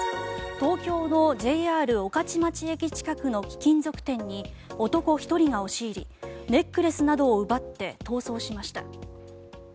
東京のＪＲ御徒町駅近くの貴金属店に男１人が押し入りネックレスなどを奪って逃走しました。